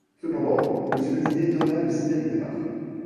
Cependant, Monsieur Madinier donna le signal du départ.